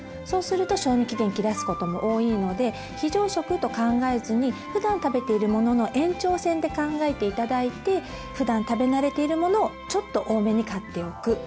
そうすると賞味期限切らすことも多いので非常食と考えずにふだん食べているものの延長線で考えて頂いてふだん食べ慣れているものをちょっと多めに買っておく。